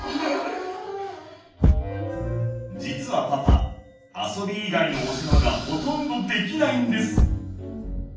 実はパパ遊び以外のお世話がほとんどできないんです。